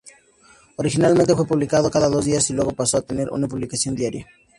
Originalmente fue publicado cada dos días, y luego pasó a tener una publicación diaria.